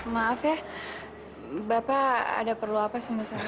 maaf ya bapak ada perlu apa sama saya